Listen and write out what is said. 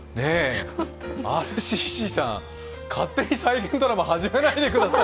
ＲＣＣさん、勝手に再現ドラマ始めないでください。